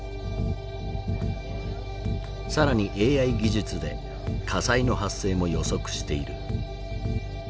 更にＡＩ技術で火災の発生も予測している。